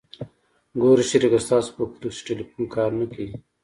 ګوره شريکه ستاسو په کلي کښې ټېلفون کار نه کيي.